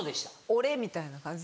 「俺」みたいな感じ？